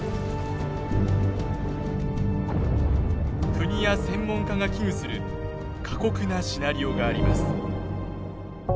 国や専門家が危惧する過酷なシナリオがあります。